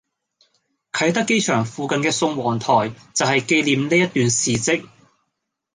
啟德機場附近嘅宋王臺就係紀念呢一段事跡